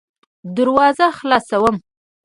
دروازه خلاصوم .